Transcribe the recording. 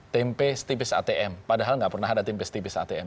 tempe setipis atm padahal nggak pernah ada tempe setipis atm